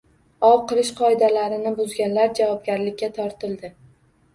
Ov qilish qoidalarini buzganlar javobgarlikka tortildi